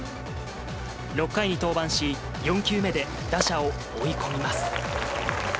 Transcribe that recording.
６回に登板し、４球目で打者を追い込みます。